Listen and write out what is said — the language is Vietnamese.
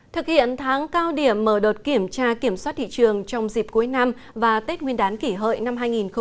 thực hiện tháng cao điểm mở đợt kiểm tra kiểm soát thị trường trong dịp cuối năm và tết nguyên đán kỷ hợi năm hai nghìn một mươi chín